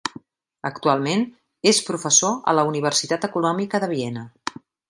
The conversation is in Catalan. Actualment és professor a la Universitat Econòmica de Viena.